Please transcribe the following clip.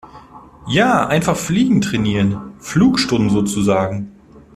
Ja, einfach fliegen trainieren. Flugstunden sozusagen.